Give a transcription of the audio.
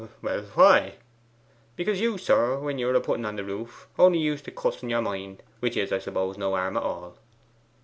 'Well why?' 'Because you, sir, when ye were a putting on the roof, only used to cuss in your mind, which is, I suppose, no harm at all.